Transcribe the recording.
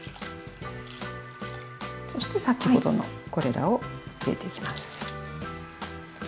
そして先ほどのこれらを入れていきます。